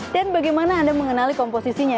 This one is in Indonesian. dan bagaimana anda mengenali komposisinya